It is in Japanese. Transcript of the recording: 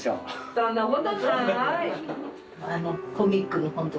そんなことない。